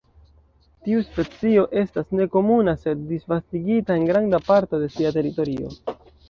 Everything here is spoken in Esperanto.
Tiu specio estas nekomuna sed disvastigita en granda parto de sia teritorio.